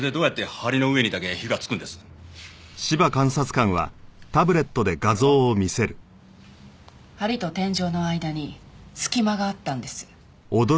梁と天井の間に隙間があったんです。